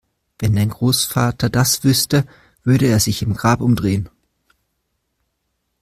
Wenn dein Großvater das wüsste, würde er sich im Grab umdrehen!